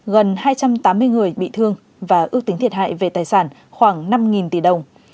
gần hai trăm tám mươi người bị thương và ước tính thiệt hại về tài sản khoảng năm tỷ đồng